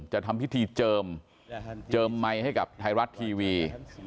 จะทำพิธีเจิมเจิมไมค์ให้กับไทยรัฐทีวี